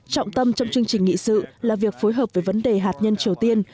trọng tâm trong chương trình nghị sự là việc phối hợp với vấn đề hạt nhân triều tiên